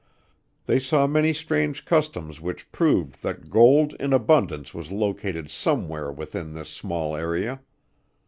They saw many strange customs which proved that gold in abundance was located somewhere within this small area.